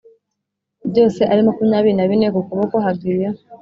byose ari makumyabiri na bine ku kuboko hagiye